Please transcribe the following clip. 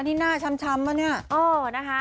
ในหน้าช้ำป่ะเนี่ย